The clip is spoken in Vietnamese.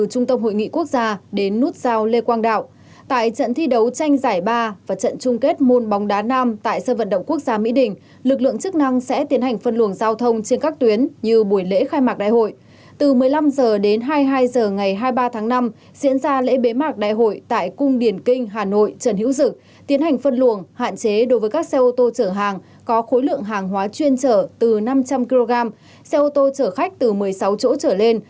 công an thành phố tiến hành phân luồng hạn chế đối với các xe ô tô chở hàng có khối lượng hàng hóa chuyên chở từ năm trăm linh kg xe ô tô chở khách từ một mươi sáu chỗ trở lên